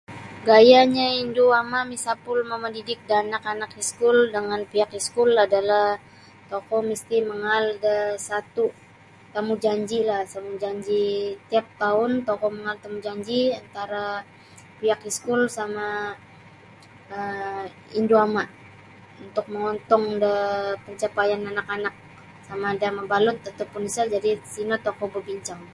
Gaya'nyo indu ama' misapul mamadidik da anak-anak iskul dangan pihak iskul adalah tokou misti' mangaal da satu' tamujanji'lah tamujanji' tiap taun tokou mangaal da tamujanji' antara pihak iskul sama um indu' ama' untuk mongontong da pancapaian anak-anak sama ada mabalut atau pun sa' jadi sino tokou babincang.